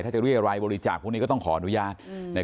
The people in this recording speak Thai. ถ้าจะเรียรายบริจาคพวกนี้ก็ต้องขออนุญาต